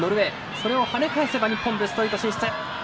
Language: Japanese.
それを跳ね返せば日本、ベスト８進出。